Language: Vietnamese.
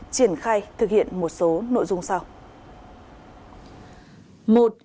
triển khai thực hiện một số nội dung sau